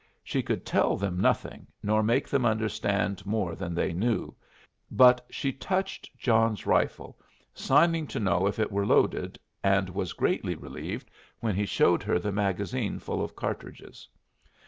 She could tell them nothing, nor make them understand more than they knew; but she touched John's rifle, signing to know if it were loaded, and was greatly relieved when he showed her the magazine full of cartridges.